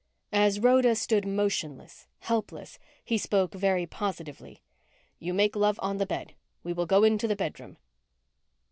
As Rhoda stood motionless, helpless, he spoke very positively. "You make love on the bed. We will go into the bedroom